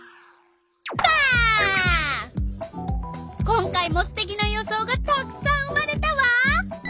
今回もすてきな予想がたくさん生まれたわ！